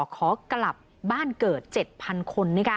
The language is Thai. ขอกลับบ้านเกิด๗๐๐คน